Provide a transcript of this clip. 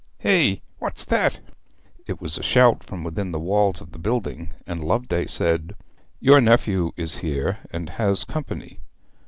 Hey what's that?' It was a shout from within the walls of the building, and Loveday said 'Your nephew is here, and has company.'